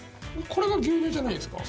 これが牛乳じゃないんですか？